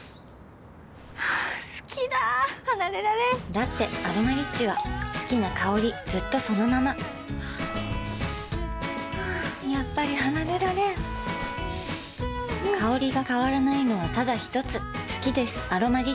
好きだ離れられんだって「アロマリッチ」は好きな香りずっとそのままやっぱり離れられん香りが変わらないのはただひとつ好きです「アロマリッチ」